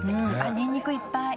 ニンニクいっぱい。